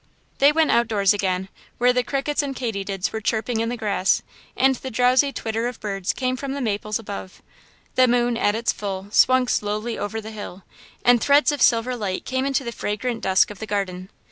They went outdoors again, where the crickets and katydids were chirping in the grass, and the drowsy twitter of birds came from the maples above. The moon, at its full, swung slowly over the hill, and threads of silver light came into the fragrant dusk of the garden.